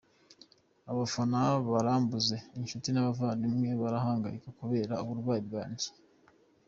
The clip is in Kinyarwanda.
Abafana barambuze, inshuti n’abavandimwe barahangayika kubera uburwayi bwanjye.